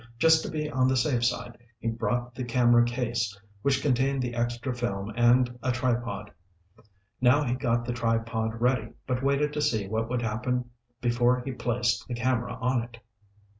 Just to be on the safe side, he had brought the camera case, which contained the extra film and a tripod. Now he got the tripod ready but waited to see what would happen before he placed the camera on it.